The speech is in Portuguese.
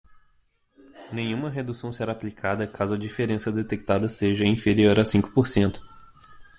Nenhuma redução será aplicada caso a diferença detectada seja inferior a cinco por cento.